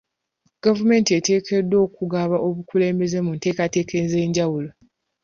Gavumenti eteekeddwa okugaba obukulembeze mu nteekateeka ez'enjawulo.